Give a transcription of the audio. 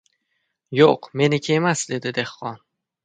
– Yoʻq, meniki emas, – dedi dehqon.